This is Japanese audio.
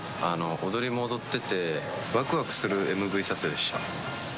踊りも踊ってて、わくわくするＭＶ撮影でした。